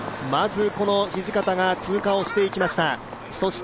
まず土方が通過していきました。